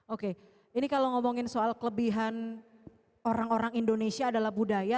oke ini kalau ngomongin soal kelebihan orang orang indonesia adalah budaya